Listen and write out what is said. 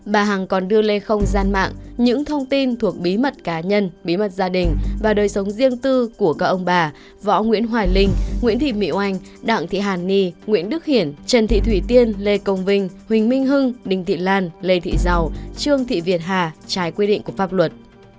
bà hằng còn đưa lên không gian mạng những thông tin thuộc bí mật cá nhân bí mật gia đình và đời sống riêng tư của các ông bà võ nguyễn hoài linh nguyễn thị mỹ oanh đặng thị hàn ni nguyễn đức hiển trần thị thủy tiên lê công vinh huỳnh minh hưng đinh thị lan lê thị giàu trương thị việt hà trái quy định của pháp luật